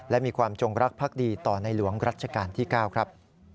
และมีความจงรักภักดีต่อในหลวงรัชกาลที่๙ครับ